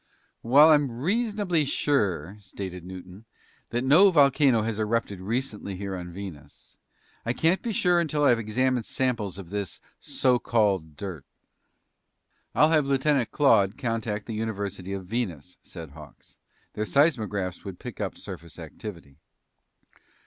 "While I'm reasonably sure," stated Newton, "that no volcano has erupted recently here on Venus, I can't be sure until I've examined samples of this so called dirt." "I'll have Lieutenant Claude contact the University of Venus," said Hawks. "Their seismographs would pick up surface activity."